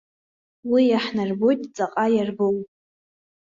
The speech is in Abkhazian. Уи иаҳнарбоит ҵаҟа иарбоу.